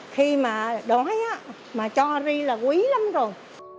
khi mà đói á mà cho ra là quý lắm rồi